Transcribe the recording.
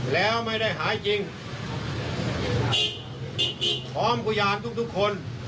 แล้วไม่ได้หายจริงพร้อมกุญญาณทุกคน